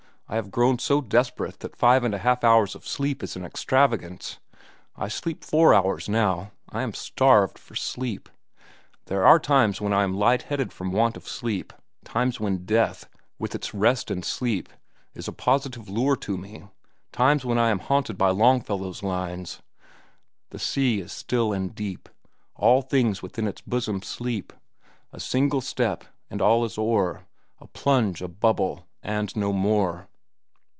I have grown so desperate that five and a half hours of sleep is an extravagance. I sleep four hours now. I am starved for sleep. There are times when I am light headed from want of sleep, times when death, with its rest and sleep, is a positive lure to me, times when I am haunted by Longfellow's lines: "'The sea is still and deep; All things within its bosom sleep; A single step and all is o'er, A plunge, a bubble, and no more.